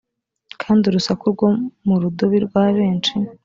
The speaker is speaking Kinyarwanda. kandi urusaku rwo mu rudubi rwa benshi